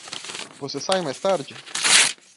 Você sai mais tarde?